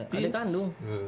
iya adek adu